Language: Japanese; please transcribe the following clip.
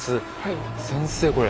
先生これ。